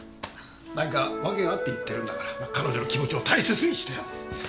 なんか訳があって言ってるんだから彼女の気持ちを大切にしてやろう。